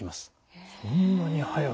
そんなに早く。